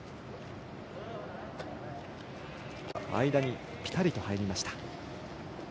間にぴたりと入りました。